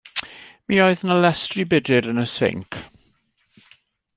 Mi oedd 'na lestri budr yn y sinc.